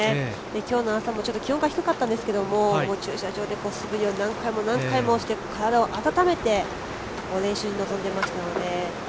今日の朝も気温が低かったんですけども駐車場で素振りを何回もして体を温めて練習臨んでいましたので。